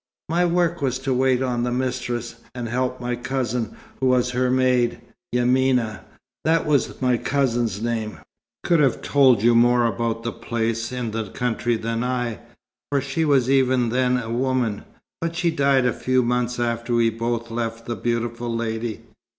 My work was to wait on the mistress, and help my cousin, who was her maid. Yamina that was my cousin's name could have told you more about the place in the country than I, for she was even then a woman. But she died a few months after we both left the beautiful lady.